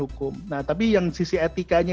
hukum nah tapi yang sisi etikanya